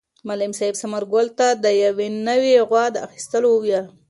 معلم صاحب ثمر ګل ته د یوې نوې غوا د اخیستلو وویل.